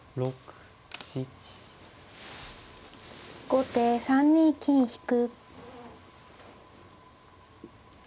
後手３二金引。